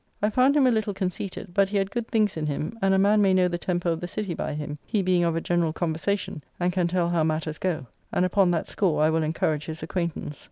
I found him a little conceited, but he had good things in him, and a man may know the temper of the City by him, he being of a general conversation, and can tell how matters go; and upon that score I will encourage his acquaintance.